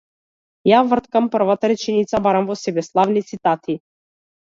Ја врткам првата реченица, барам во себе славни цитати.